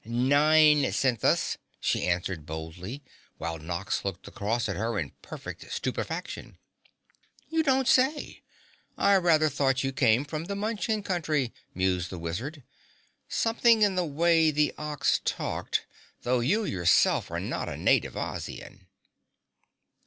"Nine sent us," she answered boldly, while Nox looked across at her in perfect stupefaction. "You don't say! I rather thought you came from the Munchkin Country," mused the Wizard. "Something in the way the Ox talked, though you, yourself, are not a native Ozian?"